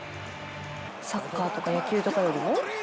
サッカーとか野球とかよりも？